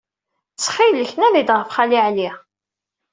Ttxil-k, nadi-d ɣef Xali Ɛli.